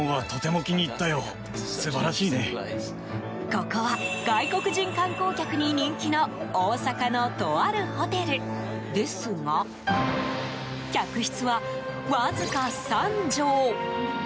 ここは外国人観光客に人気の大阪のとあるホテルですが客室は、わずか３畳。